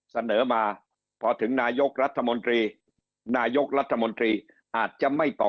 เสนอมาพอถึงนายกรัฐมนตรีนายกรัฐมนตรีอาจจะไม่ตอบ